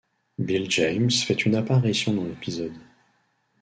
Bill James fait une apparition dans l'épisode.